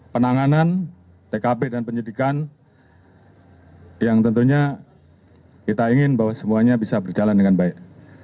penanganan tkp dan penyidikan yang tentunya kita ingin bahwa semuanya bisa berjalan dengan baik